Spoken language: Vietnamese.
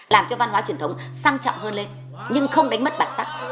làm cho văn hóa truyền thống sang trọng hơn lên nhưng không đánh mất bản sắc